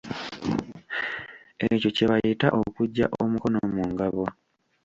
Ekyo kye bayita okuggya omukono mu ngabo.